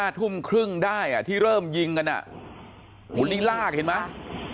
ทุ่มครึ่งได้ที่เริ่มยิงกันวันนี้ลากเห็นไหม